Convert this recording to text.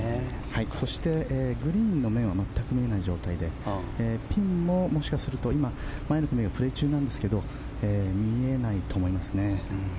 そしてグリーンの面は全く見えない状態でピンも、もしかすると今前の組がプレー中なんですが見えないと思いますね。